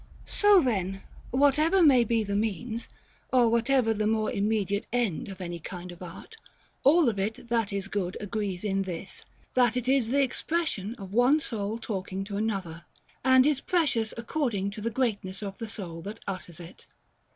§ XXVIII. So then, whatever may be the means, or whatever the more immediate end of any kind of art, all of it that is good agrees in this, that it is the expression of one soul talking to another, and is precious according to the greatness of the soul that utters it.